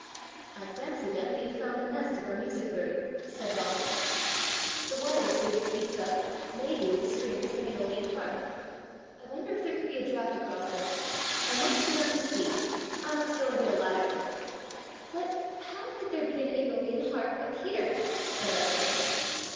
"I fancy then we have found the nest of our music bird!" said Donal. "The wires Davie speaks of may be the strings of an aeolian harp! I wonder if there could be a draught across them! I must get up and see! I must go and get a ladder!" "But how could there be an aeolian harp up here?" said Arctura.